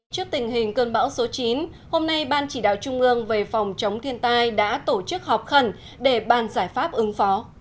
trước tình hình cơn bão số chín hôm nay ban chỉ đạo trung ương về phòng chống thiên tai đã tổ chức họp khẩn để ban giải pháp ứng phó